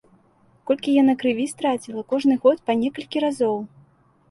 Колькі яна крыві страціла кожны год па некалькі разоў.